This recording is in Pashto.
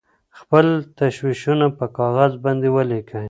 خپل تشویشونه په کاغذ باندې ولیکئ.